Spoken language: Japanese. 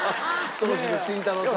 当時の慎太郎さんは。